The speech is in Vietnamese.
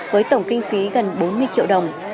với tổng kinh phí gần bốn mươi triệu đồng